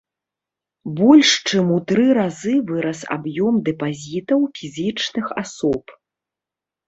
Больш чым у тры разы вырас аб'ём дэпазітаў фізічных асоб.